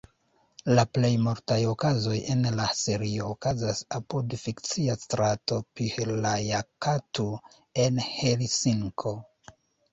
La plej multaj okazoj en la serio okazas apud fikcia strato Pihlajakatu en Helsinko.